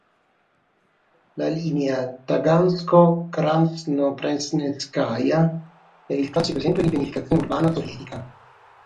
La Linea Tagansko-Krasnopresnenskaja è il classico esempio di pianificazione urbana sovietica.